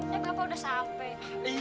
ya bapak udah sampai